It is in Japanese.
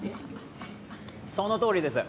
そのとおりです